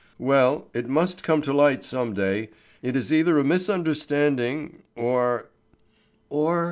"Well, it must come to light some day. It is either a misunderstanding, or " "Or?"